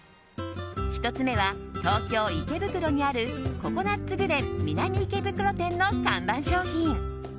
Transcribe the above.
１つ目は、東京・池袋にあるココナッツグレン南池袋店の看板商品。